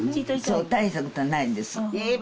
そう大したことはないんですえー